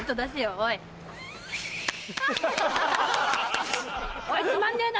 おいつまんねえな！